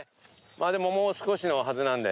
もう少しのはずなんで。